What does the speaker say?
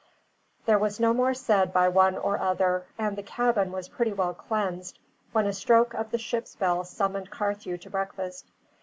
There was no more said by one or other, and the cabin was pretty well cleansed when a stroke on the ship's bell summoned Carthew to breakfast.